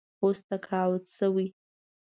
اوس تقاعد شوی.